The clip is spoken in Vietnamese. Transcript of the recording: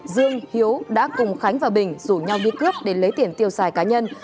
dương hiếu đã cùng khánh và bình rủ nhau đi cướp để lấy tiền tiêu xài cá nhân